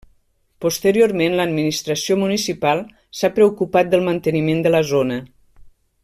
Posteriorment l'administració municipal s'ha preocupat del manteniment de la zona.